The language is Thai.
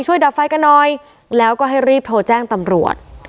ดับไฟกันหน่อยแล้วก็ให้รีบโทรแจ้งตำรวจ